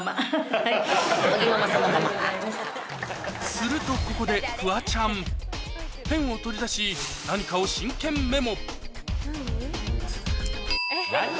するとここでフワちゃんペンを取り出し何かを真剣メモ何をメモってんだよ！